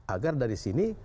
agar dari sini